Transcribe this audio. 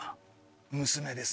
娘です。